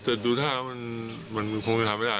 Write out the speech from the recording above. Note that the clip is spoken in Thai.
แต่ดูทางมันคงทำไม่ได้